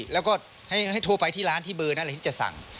แล้วก็ให้โทรไปที่ร้านที่เบอร์นั้นอะไรที่จะสั่ง